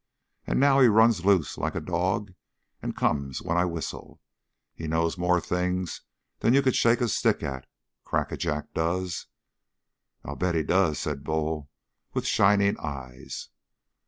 And now he runs loose like a dog and comes when I whistle. He knows more things than you could shake a stick at, Crackajack does." "I'll bet he does," said Bull with shining eyes.